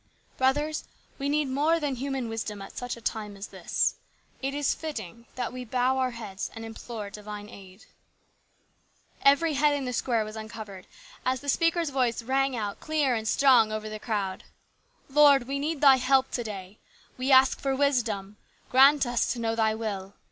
" Brothers, we need more than human wisdom at such a time as this. It is fitting that we bow our heads and implore divine aid." Every head in the square was uncovered as the speaker's voice rang out clear and strong over the crowd :" Lord, we need Thy help to day. W T e ask for wisdom. Grant us to know Thy will.